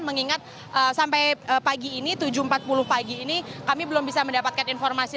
mengingat sampai pagi ini tujuh empat puluh pagi ini kami belum bisa mendapatkan informasi